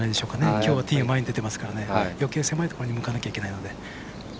きょうはティーが前に出てますからよけい狭いところに向かないといけないので。